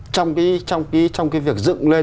trong cái việc dựng lên